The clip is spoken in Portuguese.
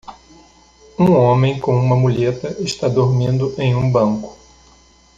Um homem com uma muleta está dormindo em um banco.